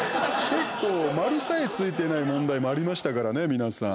結構、丸さえついてない問題もありましたからね、皆さん。